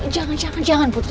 jangan jangan jangan putri